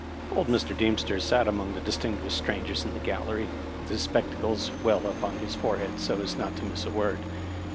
Old Mr. Deemster sat among the distinguished stran gers in the gallery, with his spectacles well up on his forehead so as not to miss a word.